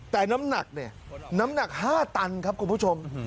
แต่น้ำหนักเนี่ยน้ำหนัก๕ตันครับคุณผู้ชม